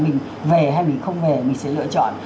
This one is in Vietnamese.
mình về hay mình không về mình sẽ lựa chọn